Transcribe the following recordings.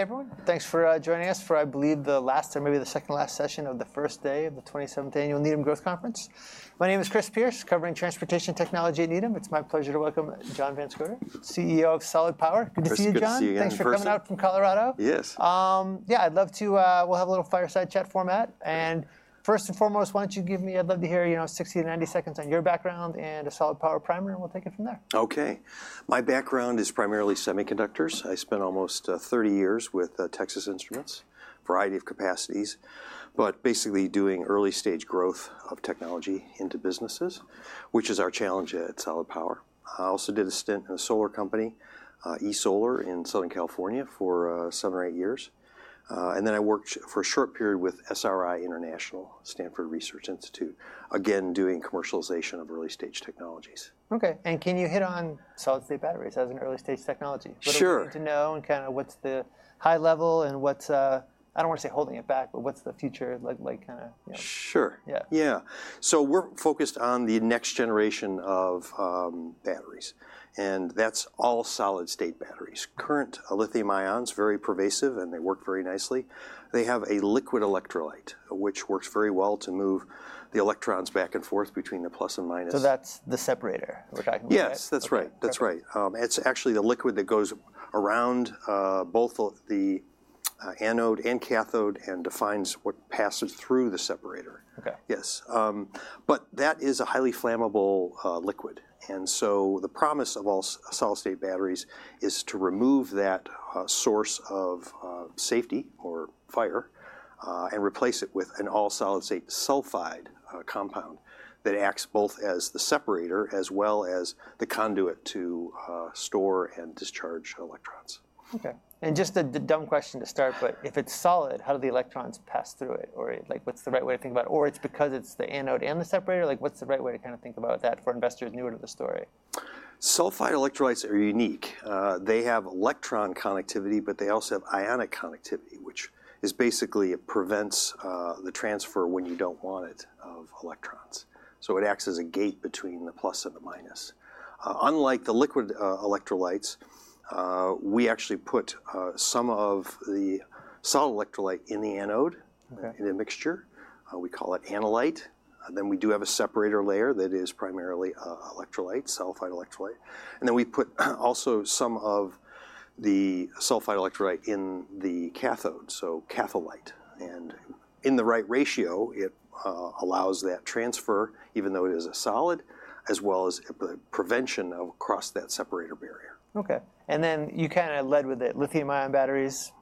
Everyone, thanks for joining us for, I believe, the last or maybe the second last session of the first day of the 27th Needham Growth Conference. My name is Chris Pierce, covering Transportation Technology at Needham. It's my pleasure to welcome John Van Scoter, CEO of Solid Power. Nice to see you. Good to see you, John. Nice to see you. Thanks for coming out from Colorado. Yes. Yeah, I'd love to. We'll have a little fireside chat format. And first and foremost, why don't you give me? I'd love to hear, you know, 60-90 seconds on your background and a Solid Power primer, and we'll take it from there. Okay. My background is primarily semiconductors. I spent almost 30 years with Texas Instruments, a variety of capacities, but basically doing early stage growth of technology into businesses, which is our challenge at Solid Power. I also did a stint in a solar company, eSolar in Southern California, for seven or eight years. And then I worked for a short period with SRI International, Stanford Research Institute, again doing commercialization of early stage technologies. Okay. And can you hit on solid-state batteries as an early stage technology? Sure. What do we need to know, and kind of what's the high level, and what's, I don't want to say holding it back, but what's the future look like kind of? Sure. Yeah. Yeah, so we're focused on the next generation of batteries, and that's all-solid-state batteries. Current lithium-ion batteries are very pervasive, and they work very nicely. They have a liquid electrolyte, which works very well to move the electrons back and forth between the plus and minus. So that's the separator we're talking about? Yes, that's right. It's actually the liquid that goes around both the anode and cathode and defines what passes through the separator. Okay. Yes, but that is a highly flammable liquid, and so the promise of all-solid-state batteries is to remove that source of safety or fire and replace it with an all-solid-state sulfide compound that acts both as the separator as well as the conduit to store and discharge electrons. Okay. And just a dumb question to start, but if it's solid, how do the electrons pass through it? Or like, what's the right way to think about it? Or it's because it's the anode and the separator? Like, what's the right way to kind of think about that for investors newer to the story? Sulfide electrolytes are unique. They have electron conductivity, but they also have ionic conductivity, which is basically it prevents the transfer when you don't want it of electrons. So it acts as a gate between the plus and the minus. Unlike the liquid electrolytes, we actually put some of the solid electrolyte in the anode, in the mixture. We call it anolyte. Then we do have a separator layer that is primarily electrolyte, sulfide electrolyte. And then we put also some of the sulfide electrolyte in the cathode, so catholyte. And in the right ratio, it allows that transfer, even though it is a solid, as well as the prevention across that separator barrier. Okay. And then you kind of led with that lithium-ion batteries,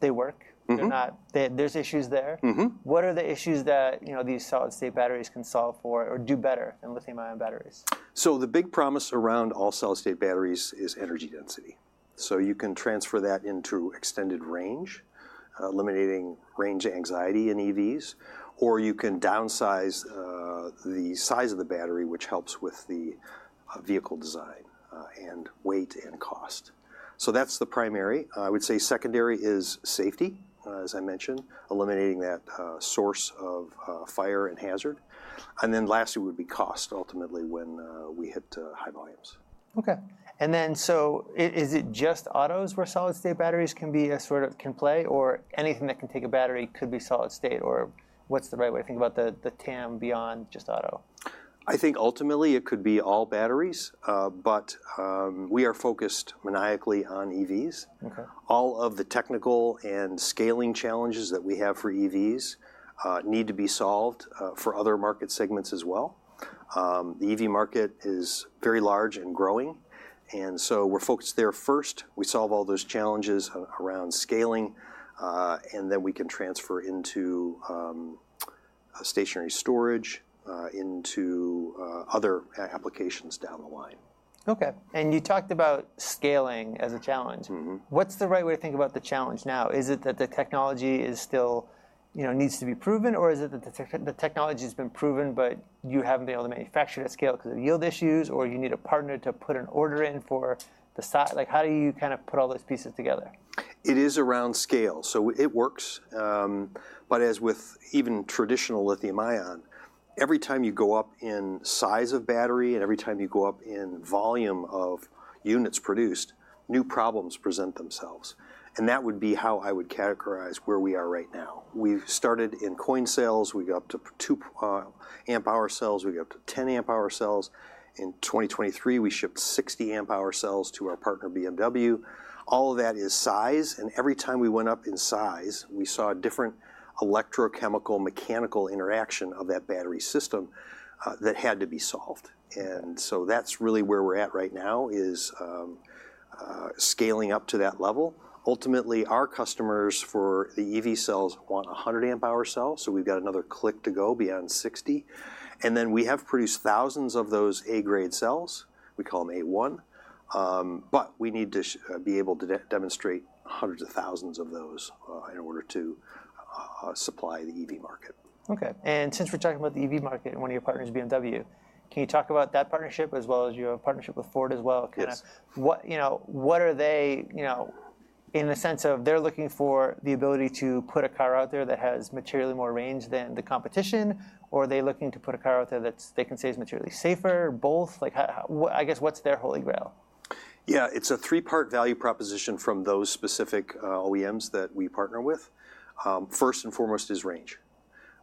they work. They're not, there's issues there. What are the issues that, you know, these solid-state batteries can solve for or do better than lithium-ion batteries? So the big promise around all-solid-state batteries is energy density. So you can transfer that into extended range, eliminating range anxiety in EVs, or you can downsize the size of the battery, which helps with the vehicle design and weight and cost. So that's the primary. I would say secondary is safety, as I mentioned, eliminating that source of fire and hazard. And then lastly would be cost, ultimately, when we hit high volumes. Okay. Is it just autos where solid state batteries can be a sort of can play, or anything that can take a battery could be solid state? Or what's the right way to think about the TAM beyond just auto? I think ultimately it could be all batteries, but we are focused maniacally on EVs. Okay. All of the technical and scaling challenges that we have for EVs need to be solved for other market segments as well. The EV market is very large and growing. And so we're focused there first. We solve all those challenges around scaling, and then we can transfer into stationary storage, into other applications down the line. Okay. And you talked about scaling as a challenge. What's the right way to think about the challenge now? Is it that the technology is still, you know, needs to be proven, or is it that the technology has been proven, but you haven't been able to manufacture it at scale because of yield issues, or you need a partner to put an order in for the site? Like, how do you kind of put all those pieces together? It is around scale. So it works. But as with even traditional lithium-ion, every time you go up in size of battery and every time you go up in volume of units produced, new problems present themselves. And that would be how I would categorize where we are right now. We've started in coin cells. We got up to two amp-hour cells. We got up to 10 amp-hour cells. In 2023, we shipped 60 amp-hour cells to our partner BMW. All of that is size. And every time we went up in size, we saw a different electrochemical mechanical interaction of that battery system that had to be solved. And so that's really where we're at right now is scaling up to that level. Ultimately, our customers for the EV cells want a 100 amp-hour cell. So we've got another click to go beyond 60. And then we have produced thousands of those A grade cells. We call them A1. But we need to be able to demonstrate hundreds of thousands of those in order to supply the EV market. Okay. And since we're talking about the EV market and one of your partners is BMW, can you talk about that partnership as well as your partnership with Ford as well? Yes. Kind of what, you know, what are they, you know, in the sense of they're looking for the ability to put a car out there that has materially more range than the competition, or are they looking to put a car out there that they can say is materially safer, both? Like, I guess what's their holy grail? Yeah, it's a three-part value proposition from those specific OEMs that we partner with. First and foremost is range.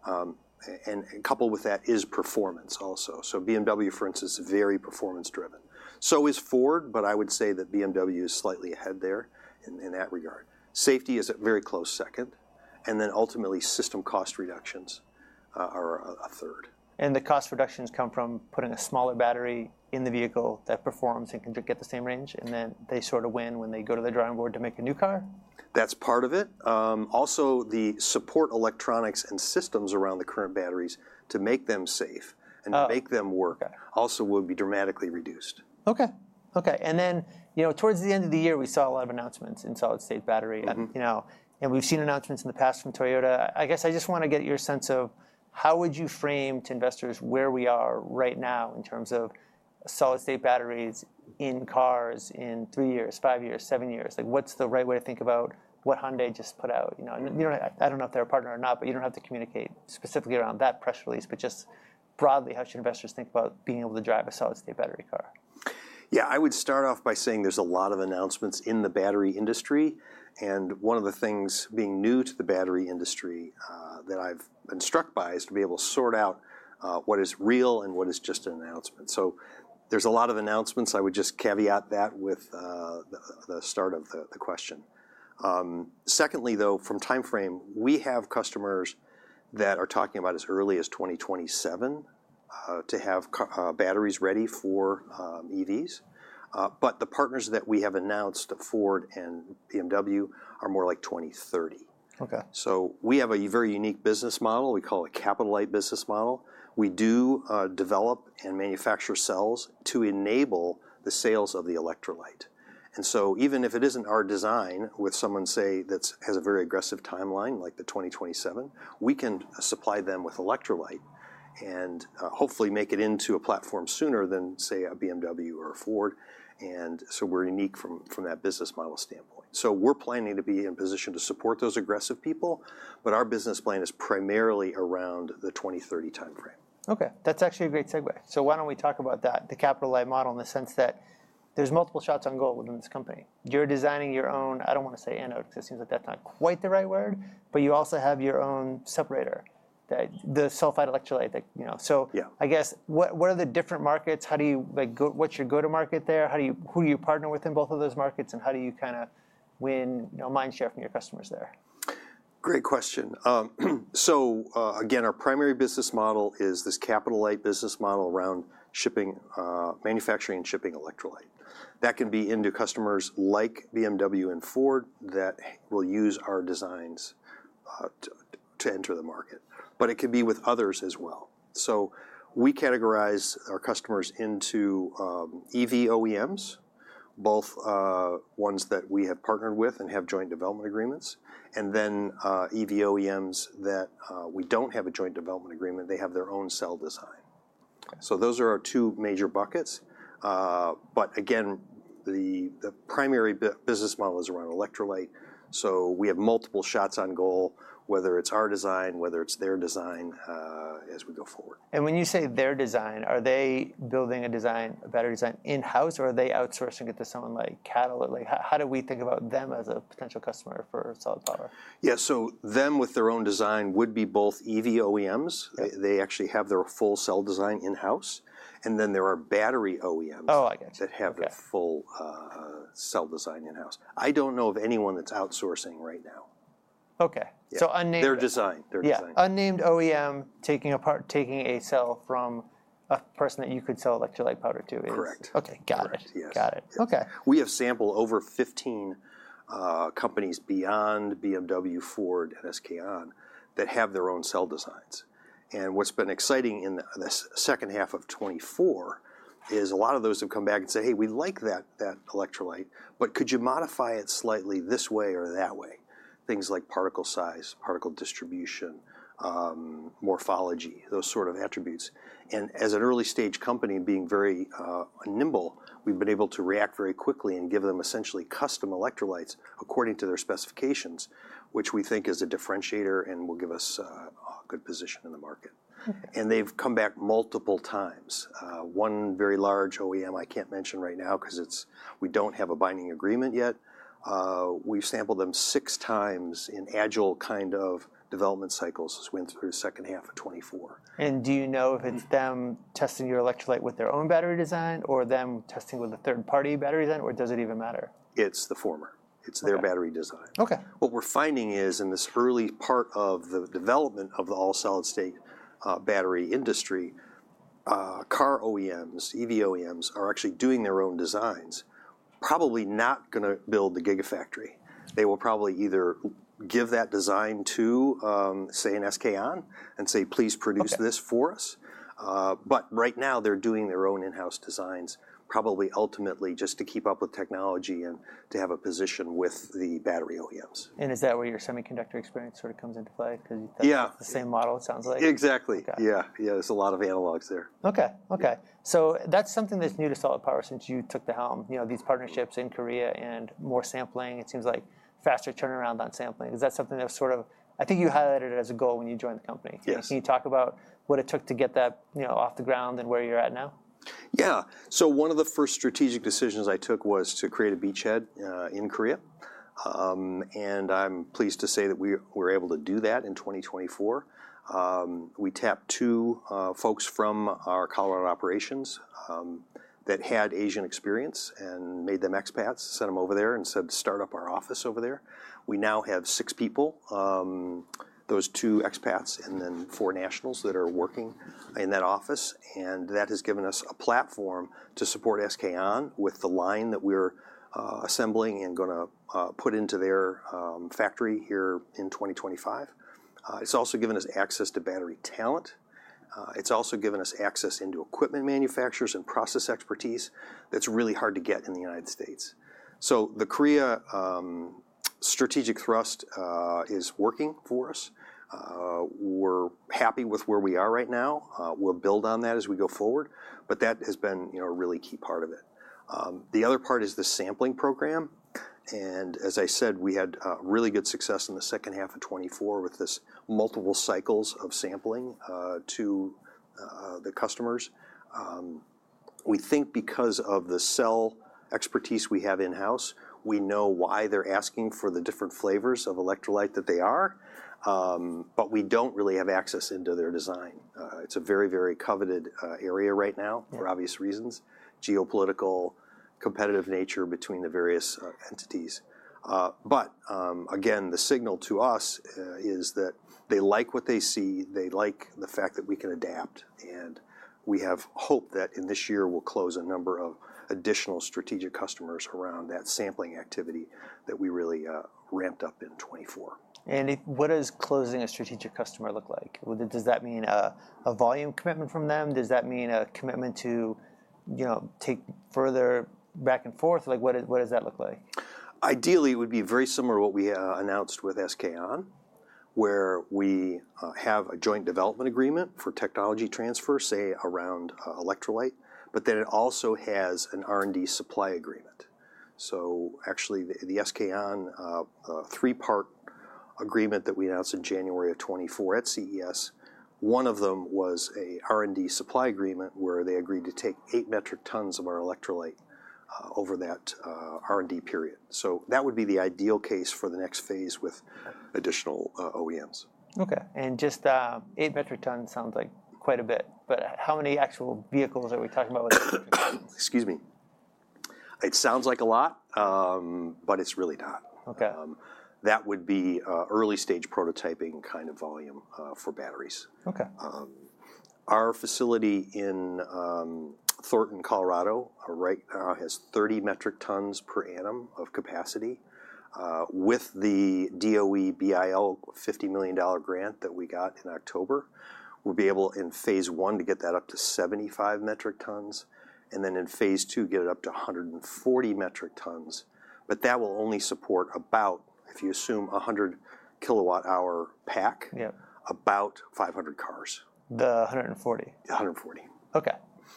And coupled with that is performance also. So BMW, for instance, is very performance-driven. So is Ford, but I would say that BMW is slightly ahead there in that regard. Safety is a very close second. And then ultimately, system cost reductions are a third. The cost reductions come from putting a smaller battery in the vehicle that performs and can get the same range, and then they sort of win when they go to the drawing board to make a new car? That's part of it. Also, the support electronics and systems around the current batteries to make them safe and to make them work also will be dramatically reduced. Okay. Okay. And then, you know, towards the end of the year, we saw a lot of announcements in solid state battery. And, you know, and we've seen announcements in the past from Toyota. I guess I just want to get your sense of how would you frame to investors where we are right now in terms of solid state batteries in cars in three years, five years, seven years? Like, what's the right way to think about what Hyundai just put out? You know, I don't know if they're a partner or not, but you don't have to communicate specifically around that press release, but just broadly, how should investors think about being able to drive a solid state battery car? Yeah, I would start off by saying there's a lot of announcements in the Battery Industry. And one of the things being new to the Battery Industry that I've been struck by is to be able to sort out what is real and what is just an announcement. So there's a lot of announcements. I would just caveat that with the start of the question. Secondly, though, from timeframe, we have customers that are talking about as early as 2027 to have batteries ready for EVs. But the partners that we have announced at Ford and BMW are more like 2030. Okay. So we have a very unique business model. We call it a Capital-Light business model. We do develop and manufacture cells to enable the sales of the electrolyte. And so even if it isn't our design with someone, say, that has a very aggressive timeline, like the 2027, we can supply them with electrolyte and hopefully make it into a platform sooner than, say, a BMW or a Ford. And so we're unique from that business model standpoint. So we're planning to be in position to support those aggressive people, but our business plan is primarily around the 2030 timeframe. Okay. That's actually a great segue. So why don't we talk about that, the Capital-Light model in the sense that there's multiple shots on goal within this company. You're designing your own, I don't want to say anode, because it seems like that's not quite the right word, but you also have your own separator, the sulfide electrolyte. Yeah. I guess what are the different markets? How do you, like, what's your go-to market there? Who do you partner with in both of those markets, and how do you kind of win, you know, mind share from your customers there? Great question. So again, our primary business model is this Capital-Light business model around shipping, manufacturing, and shipping electrolyte. That can be into customers like BMW and Ford that will use our designs to enter the market. But it can be with others as well. So we categorize our customers into EV OEMs, both ones that we have partnered with and have joint development agreements, and then EV OEMs that we don't have a joint development agreement. They have their own cell design. So those are our two major buckets. But again, the primary business model is around electrolyte. So we have multiple shots on goal, whether it's our design, whether it's their design as we go forward. When you say their design, are they building a design, a better design in-house, or are they outsourcing it to someone like CATL? Like, how do we think about them as a potential customer for Solid Power? Yeah, so them with their own design would be both EV OEMs. They actually have their full cell design in-house, and then there are battery OEMs. Oh, I gotcha. That have their full cell design in-house. I don't know of anyone that's outsourcing right now. Okay. So unnamed? Their design. Their design. Yeah. Unnamed OEM taking apart, taking a cell from a partner that you could sell electrolyte powder to. Correct. Okay. Got it. Yes. Got it. Okay. We have sampled over 15 companies beyond BMW, Ford, and SK On that have their own cell designs. And what's been exciting in the second half of 2024 is a lot of those have come back and said, "Hey, we like that electrolyte, but could you modify it slightly this way or that way?" Things like particle size, particle distribution, morphology, those sort of attributes. And as an early stage company being very nimble, we've been able to react very quickly and give them essentially custom electrolytes according to their specifications, which we think is a differentiator and will give us a good position in the market. And they've come back multiple times. One very large OEM I can't mention right now because we don't have a binding agreement yet. We've sampled them six times in agile kind of development cycles as we went through the second half of 2024. Do you know if it's them testing your electrolyte with their own battery design or them testing with a third-party battery design, or does it even matter? It's the former. It's their battery design. Okay. What we're finding is in this early part of the development of the all-solid-state Battery Industry, car OEMs, EV OEMs are actually doing their own designs. Probably not going to build the gigafactory. They will probably either give that design to, say, an SK On and say, "Please produce this for us." But right now they're doing their own in-house designs, probably ultimately just to keep up with technology and to have a position with the battery OEMs. And is that where your semiconductor experience sort of comes into play? Because you thought the same model, it sounds like. Exactly. Yeah. Yeah. There's a lot of analogs there. Okay. Okay. So that's something that's new to Solid Power since you took the helm, you know, these partnerships in Korea and more sampling. It seems like faster turnaround on sampling. Is that something that sort of, I think you highlighted it as a goal when you joined the company. Yes. Can you talk about what it took to get that, you know, off the ground and where you're at now? Yeah. So one of the first strategic decisions I took was to create a beachhead in Korea. And I'm pleased to say that we were able to do that in 2024. We tapped two folks from our Colorado operations that had Asian experience and made them expats, sent them over there and said, "Start up our office over there." We now have six people, those two expats and then four nationals that are working in that office. And that has given us a platform to support SK On with the line that we're assembling and going to put into their factory here in 2025. It's also given us access to battery talent. It's also given us access into equipment manufacturers and process expertise that's really hard to get in the United States. So the Korea strategic thrust is working for us. We're happy with where we are right now. We'll build on that as we go forward. But that has been, you know, a really key part of it. The other part is the sampling program. And as I said, we had really good success in the second half of 2024 with this multiple cycles of sampling to the customers. We think because of the cell expertise we have in-house, we know why they're asking for the different flavors of electrolyte that they are. But we don't really have access into their design. It's a very, very coveted area right now for obvious reasons, geopolitical competitive nature between the various entities. But again, the signal to us is that they like what they see. They like the fact that we can adapt. And we have hope that in this year we'll close a number of additional strategic customers around that sampling activity that we really ramped up in 2024. What does closing a strategic customer look like? Does that mean a volume commitment from them? Does that mean a commitment to, you know, take further back and forth? Like, what does that look like? Ideally, it would be very similar to what we announced with SK On, where we have a joint development agreement for technology transfer, say, around electrolyte. But then it also has an R&D supply agreement. So actually the SK On three-part agreement that we announced in January of 2024 at CES, one of them was an R&D supply agreement where they agreed to take eight metric tons of our electrolyte over that R&D period. So that would be the ideal case for the next phase with additional OEMs. Okay. And just eight metric tons sounds like quite a bit. But how many actual vehicles are we talking about? Excuse me. It sounds like a lot, but it's really not. Okay. That would be early stage prototyping kind of volume for batteries. Okay. Our facility in Thornton, Colorado, right now has 30 metric tons per annum of capacity. With the DOE BIL $50 million grant that we got in October, we'll be able in phase one to get that up to 75 metric tons, and then in phase two get it up to 140 metric tons. But that will only support about, if you assume 100 kW-hour pack, about 500 cars. The 140? 140. Okay,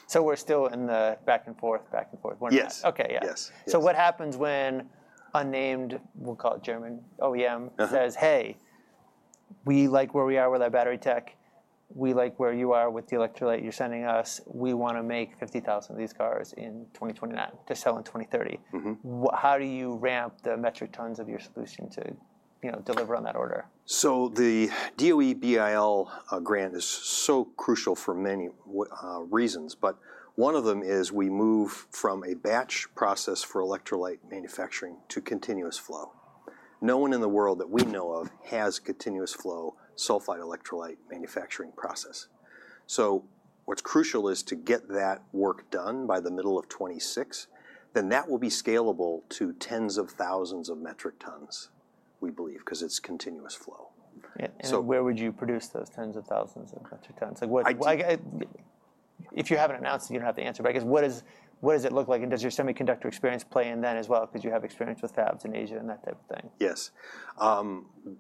so we're still in the back and forth, back and forth. Yes. Okay. Yeah. Yes. So what happens when unnamed, we'll call it German OEM says, "Hey, we like where we are with our battery tech. We like where you are with the electrolyte you're sending us. We want to make 50,000 of these cars in 2029 to sell in 2030." How do you ramp the metric tons of your solution to, you know, deliver on that order? So the DOE BIL Grant is so crucial for many reasons, but one of them is we move from a batch process for electrolyte manufacturing to continuous flow. No one in the world that we know of has continuous flow sulfide electrolyte manufacturing process. So what's crucial is to get that work done by the middle of 2026. Then that will be scalable to tens of thousands of metric tons, we believe, because it's continuous flow. Where would you produce those tens of thousands of metric tons? Like, if you haven't announced it, you don't have to answer. I guess what does it look like? Does your semiconductor experience play in that as well? Because you have experience with fabs in Asia and that type of thing. Yes.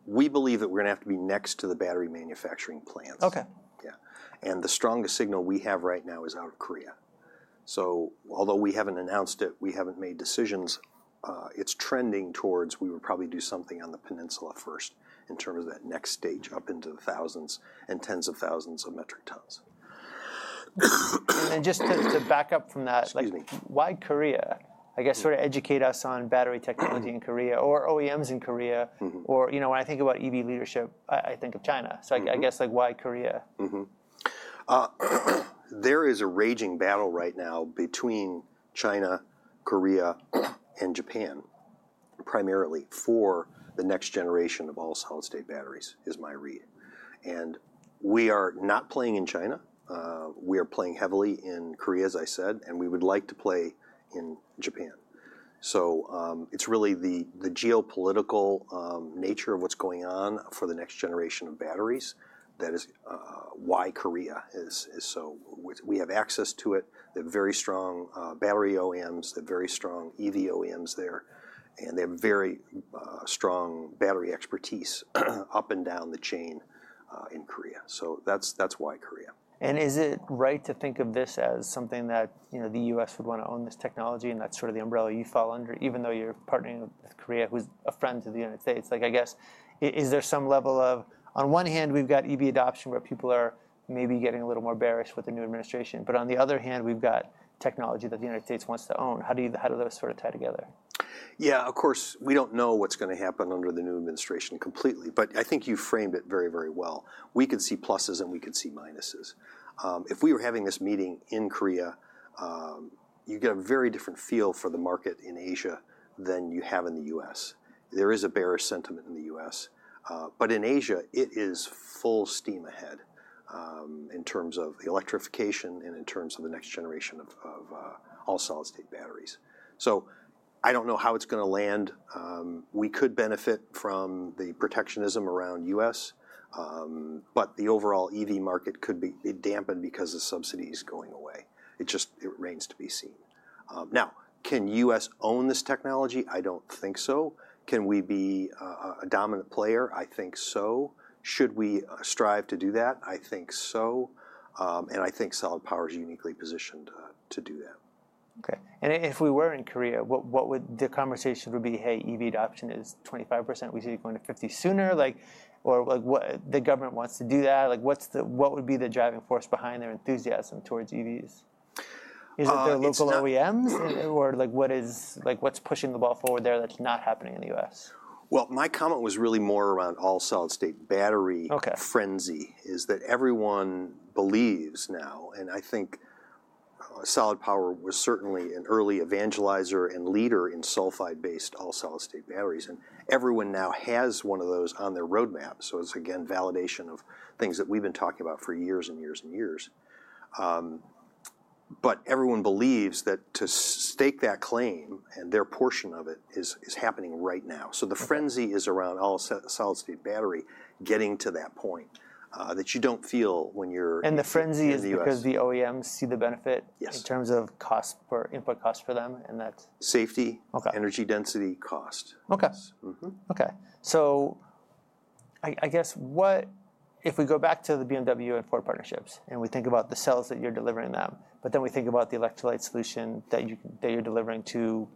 We believe that we're going to have to be next to the battery manufacturing plants. Okay. Yeah. And the strongest signal we have right now is out of Korea. So although we haven't announced it, we haven't made decisions, it's trending towards we would probably do something on the peninsula first in terms of that next stage up into the thousands and tens of thousands of metric tons. And then just to back up from that. Excuse me. Like, why Korea? I guess sort of educate us on battery technology in Korea or OEMs in Korea. Or, you know, when I think about EV leadership, I think of China. So I guess, like, why Korea? There is a raging battle right now between China, Korea, and Japan primarily for the next generation of all-solid-state batteries, is my read. And we are not playing in China. We are playing heavily in Korea, as I said, and we would like to play in Japan. So it's really the geopolitical nature of what's going on for the next generation of batteries that is why Korea is so, we have access to it. They have very strong battery OEMs. They have very strong EV OEMs there. And they have very strong battery expertise up and down the chain in Korea. So that's why Korea. And is it right to think of this as something that, you know, the U.S. would want to own this technology? And that's sort of the umbrella you fall under, even though you're partnering with Korea, who's a friend to the United States. Like, I guess, is there some level of, on one hand, we've got EV adoption where people are maybe getting a little more bearish with the new administration, but on the other hand, we've got technology that the United States wants to own. How do those sort of tie together? Yeah, of course, we don't know what's going to happen under the new administration completely, but I think you framed it very, very well. We could see pluses and we could see minuses. If we were having this meeting in Korea, you get a very different feel for the market in Asia than you have in the U.S. There is a bearish sentiment in the U.S. But in Asia, it is full steam ahead in terms of electrification and in terms of the next generation of all-solid-state batteries. So I don't know how it's going to land. We could benefit from the protectionism around the U.S., but the overall EV market could be dampened because of subsidies going away. It just remains to be seen. Now, can the U.S. own this technology? I don't think so. Can we be a dominant player? I think so. Should we strive to do that? I think so. And I think Solid Power is uniquely positioned to do that. Okay, and if we were in Korea, what would the conversation be? Hey, EV adoption is 25%. We see it going to 50% sooner. Like, or the government wants to do that. Like, what would be the driving force behind their enthusiasm towards EVs? Is it their local OEMs? Or like, what is, like, what's pushing the ball forward there that's not happening in the U.S.? My comment was really more around all-solid-state battery frenzy is that everyone believes now, and I think Solid Power was certainly an early evangelizer and leader in sulfide-based all-solid-state batteries, and everyone now has one of those on their roadmap, so it's again validation of things that we've been talking about for years and years and years, but everyone believes that to stake that claim and their portion of it is happening right now, so the frenzy is around all-solid-state battery getting to that point that you don't feel when you're in the U.S. The frenzy is because the OEMs see the benefit in terms of cost for input cost for them and that. Safety, energy density, cost. Okay. Okay. So I guess what, if we go back to the BMW and Ford partnerships and we think about the cells that you're delivering them, but then we think about the electrolyte solution that you're delivering to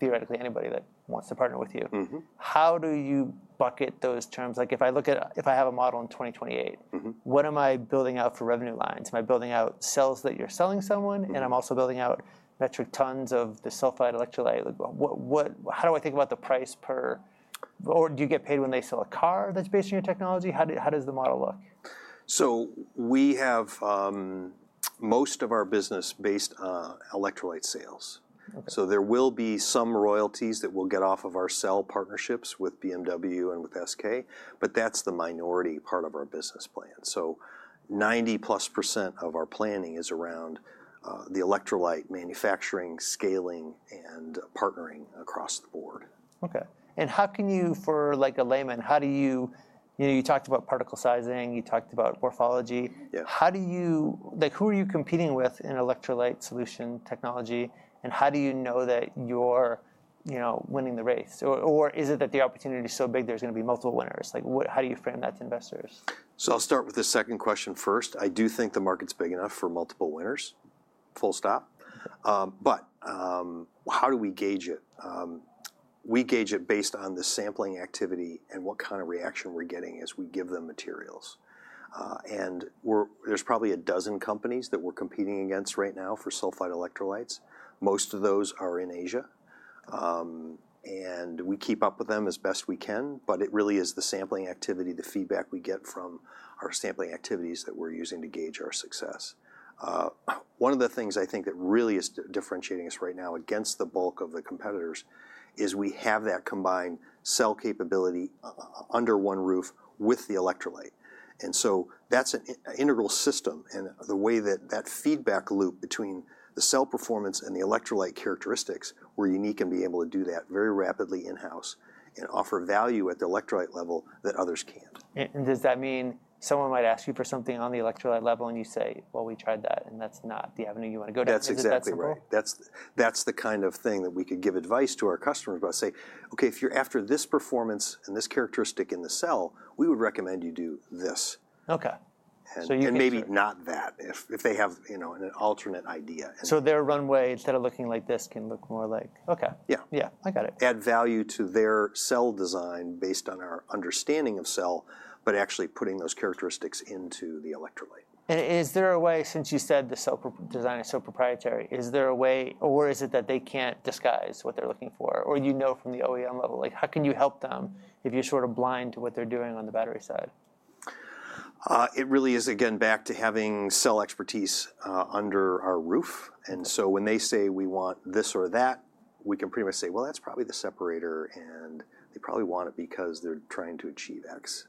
theoretically anybody that wants to partner with you, how do you bucket those terms? Like, if I look at, if I have a model in 2028, what am I building out for revenue lines? Am I building out cells that you're selling someone? And I'm also building out metric tons of the sulfide electrolyte. Like, how do I think about the price per, or do you get paid when they sell a car that's based on your technology? How does the model look? So we have most of our business based on electrolyte sales. So there will be some royalties that we'll get off of our cell partnerships with BMW and with SK, but that's the minority part of our business plan. So 90%+ of our planning is around the electrolyte manufacturing, scaling, and partnering across the board. Okay. And how can you, for like a layman, how do you, you know, you talked about particle sizing, you talked about morphology. How do you, like, who are you competing with in electrolyte solution technology? And how do you know that you're, you know, winning the race? Or is it that the opportunity is so big there's going to be multiple winners? Like, how do you frame that to investors? So I'll start with the second question first. I do think the market's big enough for multiple winners. Full stop. But how do we gauge it? We gauge it based on the sampling activity and what kind of reaction we're getting as we give them materials. And there's probably a dozen companies that we're competing against right now for sulfide electrolytes. Most of those are in Asia. And we keep up with them as best we can, but it really is the sampling activity, the feedback we get from our sampling activities that we're using to gauge our success. One of the things I think that really is differentiating us right now against the bulk of the competitors is we have that combined cell capability under one roof with the electrolyte. And so that's an integral system. The way that feedback loop between the cell performance and the electrolyte characteristics, we're unique in being able to do that very rapidly in-house and offer value at the electrolyte level that others can't. Does that mean someone might ask you for something on the electrolyte level and you say, "Well, we tried that and that's not the avenue you want to go to"? That's exactly right. That's the kind of thing that we could give advice to our customers about. Say, "Okay, if you're after this performance and this characteristic in the cell, we would recommend you do this." Okay, so you can. And maybe not that if they have, you know, an alternate idea. So their runway instead of looking like this can look more like, "Okay. Yeah, I got it." Add value to their cell design based on our understanding of cell, but actually putting those characteristics into the electrolyte. Is there a way, since you said the cell design is so proprietary, is there a way, or is it that they can't disguise what they're looking for? Or you know from the OEM level, like, how can you help them if you're sort of blind to what they're doing on the battery side? It really is, again, back to having cell expertise under our roof, and so when they say we want this or that, we can pretty much say, "Well, that's probably the separator and they probably want it because they're trying to achieve X."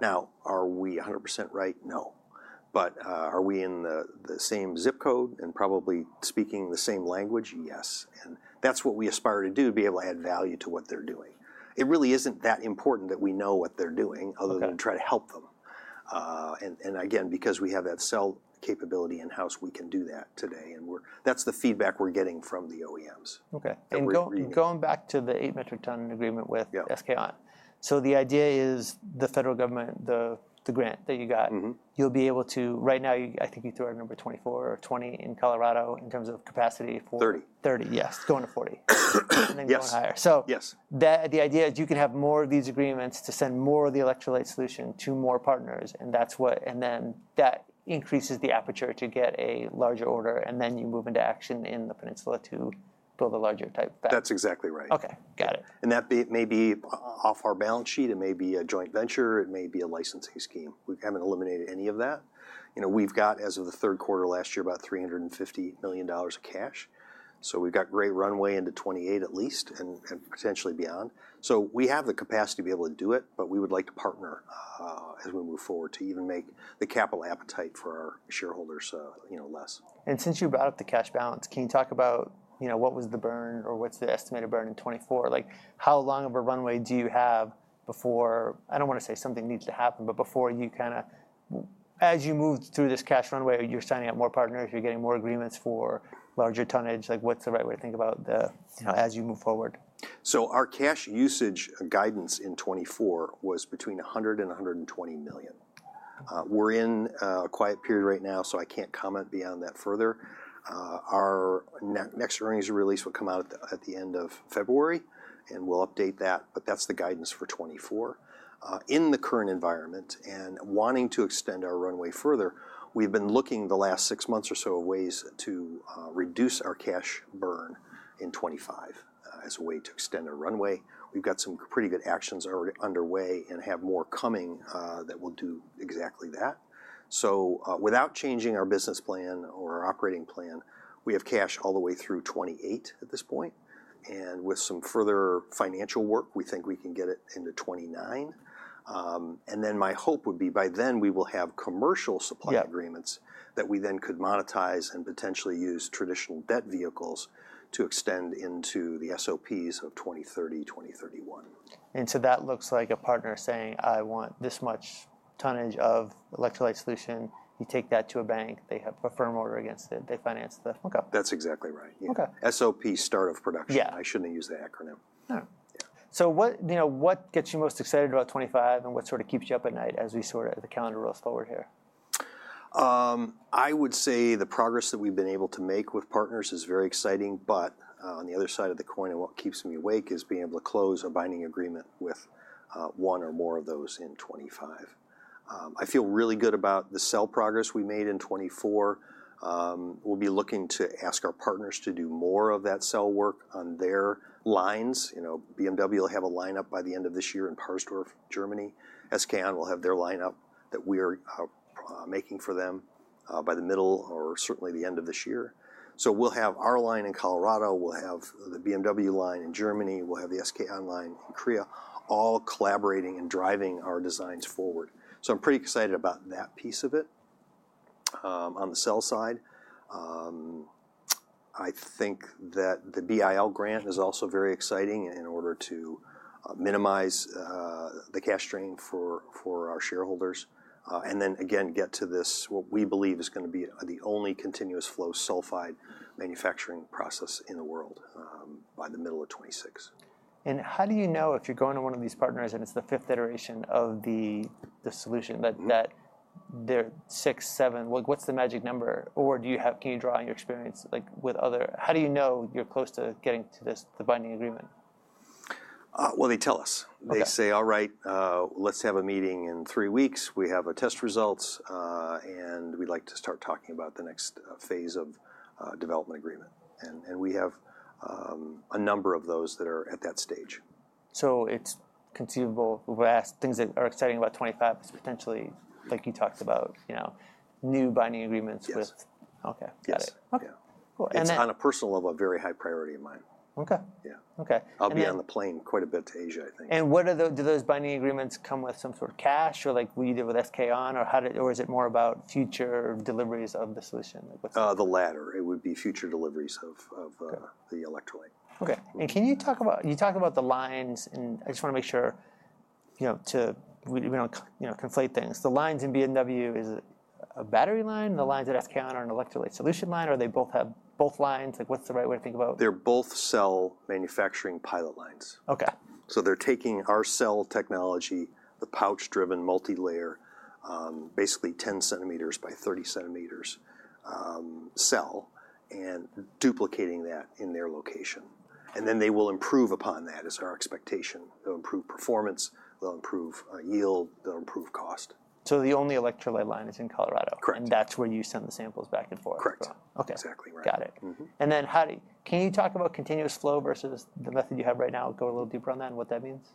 Now, are we 100% right? No, but are we in the same zip code and probably speaking the same language? Yes, and that's what we aspire to do, be able to add value to what they're doing. It really isn't that important that we know what they're doing other than try to help them, and again, because we have that cell capability in-house, we can do that today, and that's the feedback we're getting from the OEMs. Okay, and going back to the 8 metric ton agreement with SK On, so the idea is the federal government, the grant that you got, you'll be able to, right now, I think you threw out number 24 or 20 in Colorado in terms of capacity for. 30. 30, yes, going to 40 and then going higher, so the idea is you can have more of these agreements to send more of the electrolyte solution to more partners, and that's what, and then that increases the aperture to get a larger order, and then you move into expansion in the peninsula to build a larger type battery. That's exactly right. Okay. Got it. And that may be off our balance sheet. It may be a joint venture. It may be a licensing scheme. We haven't eliminated any of that. You know, we've got, as of the third quarter last year, about $350 million of cash. So we've got great runway into 2028 at least and potentially beyond. So we have the capacity to be able to do it, but we would like to partner as we move forward to even make the capital appetite for our shareholders, you know, less. Since you brought up the cash balance, can you talk about, you know, what was the burn or what's the estimated burn in 2024? Like, how long of a runway do you have before, I don't want to say something needs to happen, but before you kind of, as you move through this cash runway, you're signing up more partners, you're getting more agreements for larger tonnage? Like, what's the right way to think about the, you know, as you move forward? Our cash usage guidance in 2024 was between $100 million-$120 million. We're in a quiet period right now, so I can't comment beyond that further. Our next earnings release will come out at the end of February, and we'll update that, but that's the guidance for 2024. In the current environment and wanting to extend our runway further, we've been looking the last six months or so of ways to reduce our cash burn in 2025 as a way to extend our runway. We've got some pretty good actions underway and have more coming that will do exactly that. Without changing our business plan or our operating plan, we have cash all the way through 2028 at this point. With some further financial work, we think we can get it into 2029. And then my hope would be by then we will have commercial supply agreements that we then could monetize and potentially use traditional debt vehicles to extend into the SOPs of 2030, 2031. That looks like a partner saying, "I want this much tonnage of electrolyte solution." You take that to a bank, they have a firm order against it, they finance the. That's exactly right. SOP start of production. I shouldn't have used that acronym. All right. So what, you know, what gets you most excited about 2025 and what sort of keeps you up at night as we sort of, the calendar rolls forward here? I would say the progress that we've been able to make with partners is very exciting, but on the other side of the coin, and what keeps me awake is being able to close a binding agreement with one or more of those in 2025. I feel really good about the cell progress we made in 2024. We'll be looking to ask our partners to do more of that cell work on their lines. You know, BMW will have a line by the end of this year in Parsdorf, Germany. SK On will have their line that we are making for them by the middle or certainly the end of this year. So we'll have our line in Colorado, we'll have the BMW line in Germany, we'll have the SK On line in Korea, all collaborating and driving our designs forward. So I'm pretty excited about that piece of it. On the cell side, I think that the BIL Grant is also very exciting in order to minimize the cash strain for our shareholders, and then again, get to this, what we believe is going to be the only continuous flow sulfide manufacturing process in the world by the middle of 2026. How do you know if you're going to one of these partners and it's the fifth iteration of the solution, that they're six, seven, what's the magic number? Or do you have, can you draw on your experience like with other, how do you know you're close to getting to this, the binding agreement? They tell us. They say, "All right, let's have a meeting in three weeks. We have test results and we'd like to start talking about the next phase of development agreement." We have a number of those that are at that stage. So it's conceivable, things that are exciting about 2025 is potentially, like you talked about, you know, new binding agreements with. Yes. Okay. Got it. Yes. Okay. It's on a personal level, a very high priority of mine. Okay. Yeah. Okay. I'll be on the plane quite a bit to Asia, I think. What are they? Do those binding agreements come with some sort of cash or like will you deal with SK On or how, or is it more about future deliveries of the solution? The latter. It would be future deliveries of the electrolyte. Okay. And can you talk about? You talked about the lines and I just want to make sure, you know, to, you know, conflate things. The lines in BMW, is it a battery line? The lines at SK On are an electrolyte solution line? Or they both have both lines? Like what's the right way to think about? They're both cell manufacturing pilot lines. Okay. So they're taking our cell technology, the pouch-driven multi-layer, basically 10 centimeters by 30 centimeters cell and duplicating that in their location. And then they will improve upon that is our expectation. They'll improve performance, they'll improve yield, they'll improve cost. The only electrolyte line is in Colorado. Correct. That's where you send the samples back and forth. Correct. Exactly right. Got it. And then how do, can you talk about continuous flow versus the method you have right now, go a little deeper on that and what that means?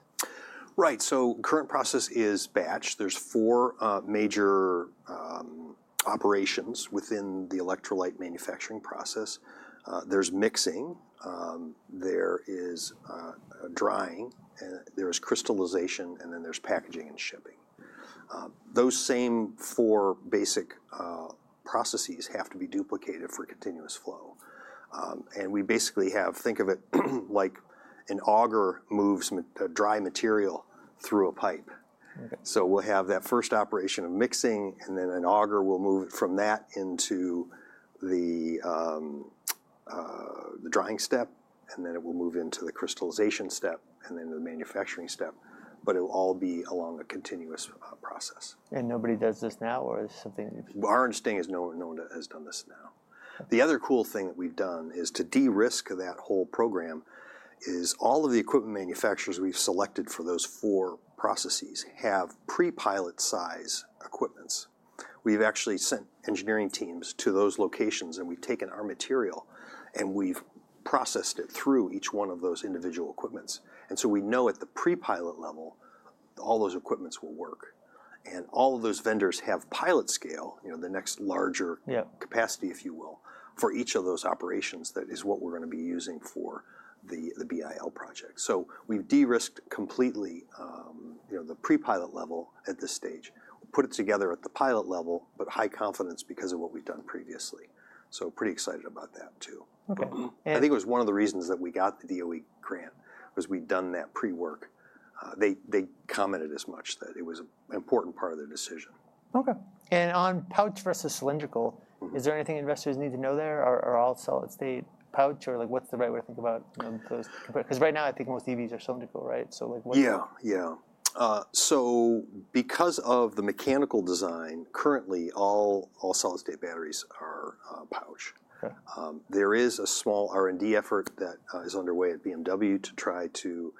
Right. So current process is batch. There are four major operations within the electrolyte manufacturing process. There is mixing, there is drying, there is crystallization, and then there is packaging and shipping. Those same four basic processes have to be duplicated for continuous flow. And we basically have. Think of it like an auger moves dry material through a pipe. So we will have that first operation of mixing and then an auger will move from that into the drying step and then it will move into the crystallization step and then the manufacturing step, but it will all be along a continuous process. Nobody does this now or is it something? Our understanding is no one has done this now. The other cool thing that we've done is to de-risk that whole program. It's all of the equipment manufacturers we've selected for those four processes have pre-pilot size equipments. We've actually sent engineering teams to those locations and we've taken our material and we've processed it through each one of those individual equipments, and so we know at the pre-pilot level, all those equipments will work, and all of those vendors have pilot scale, you know, the next larger capacity, if you will, for each of those operations that is what we're going to be using for the BIL project, so we've de-risked completely, you know, the pre-pilot level at this stage, put it together at the pilot level, but high confidence because of what we've done previously, so pretty excited about that too. Okay. I think it was one of the reasons that we got the DOE grant was we'd done that pre-work. They commented as much that it was an important part of their decision. Okay. And on pouch versus cylindrical, is there anything investors need to know there or all-solid-state pouch or like what's the right way to think about those? Because right now I think most EVs are cylindrical, right? So like what? Yeah, yeah. So because of the mechanical design, currently all-solid-state batteries are pouch. There is a small R&D effort that is underway at BMW to try to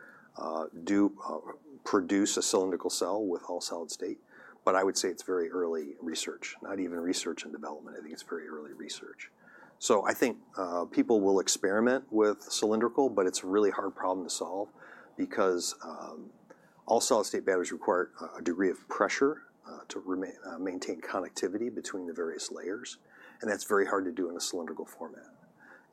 produce a cylindrical cell with all-solid-state, but I would say it's very early research, not even research and development. I think it's very early research. So I think people will experiment with cylindrical, but it's a really hard problem to solve because all-solid-state batteries require a degree of pressure to maintain connectivity between the various layers. And that's very hard to do in a cylindrical format.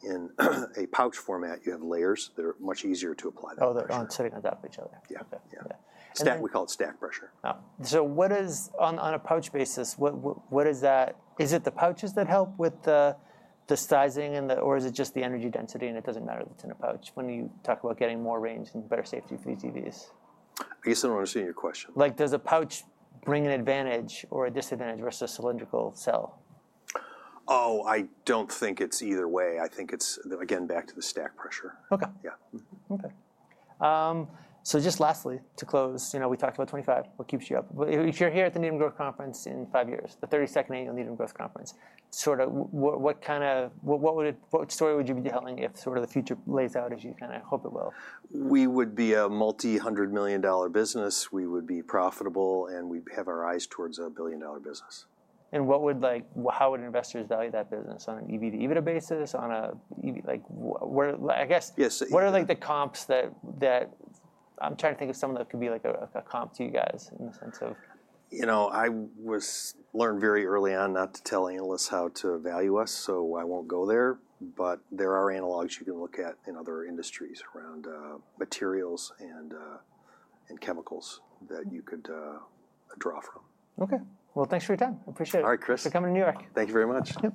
In a pouch format, you have layers that are much easier to apply. Oh, they're on certain adapt to each other. Yeah. We call it Stack Pressure. So, what is on a pouch basis? What is that? Is it the pouches that help with the sizing and the, or is it just the energy density and it doesn't matter that it's in a pouch when you talk about getting more range and better safety for these EVs? I guess I don't understand your question. Like does a pouch bring an advantage or a disadvantage versus a cylindrical cell? Oh, I don't think it's either way. I think it's, again, back to the Stack Pressure. Okay. Yeah. Okay. So just lastly to close, you know, we talked about 2025. What keeps you up? If you're here at the Needham Growth Conference in five years, the 32nd annual Needham Growth Conference, sort of what kind of, what story would you be telling if sort of the future lays out as you kind of hope it will? We would be a multi-hundred-million-dollar business. We would be profitable and we'd have our eyes towards a billion-dollar business. What would, like, how would investors value that business on an EV to EV basis on a, like where, I guess what are like the comps that I'm trying to think of some of that could be like a comp to you guys in the sense of? You know, I was learned very early on not to tell analysts how to value us, so I won't go there, but there are analogs you can look at in other industries around materials and chemicals that you could draw from. Okay. Well, thanks for your time. Appreciate it. All right, Chris. For coming to New York. Thank you very much.